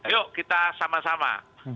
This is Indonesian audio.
yuk kita sama sama